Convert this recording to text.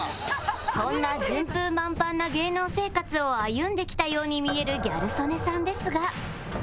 そんな順風満帆な芸能生活を歩んできたように見えるギャル曽根さんですが